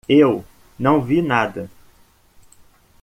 Eu não vi nada.